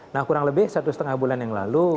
nah kurang lebih satu setengah bulan yang lalu